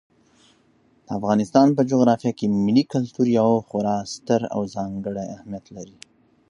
د افغانستان په جغرافیه کې ملي کلتور یو خورا ستر او ځانګړی اهمیت لري.